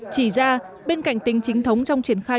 chỉ ra bên cạnh tính chính thống trong triển khai